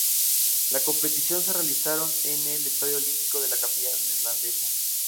Las competiciones se realizaron en el Estadio Olímpico de la capital neerlandesa.